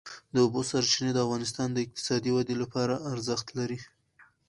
د اوبو سرچینې د افغانستان د اقتصادي ودې لپاره ارزښت لري.